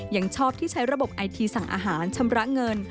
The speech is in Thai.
ยังชอบที่ใช้ระบบไอทีสั่งอาหารชำระเงิน